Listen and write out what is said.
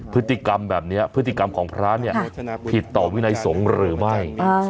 พฤติกรรมแบบนี้พฤติกรรมของพระเนี่ยผิดต่อวินัยสงฆ์หรือไม่